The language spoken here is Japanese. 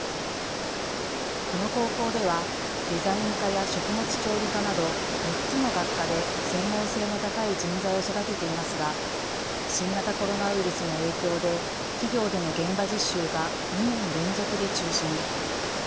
この高校ではデザイン科や食物調理科など６つの学科で専門性の高い人材を育てていますが新型コロナウイルスの影響で企業での現場実習が２年連続で中止に。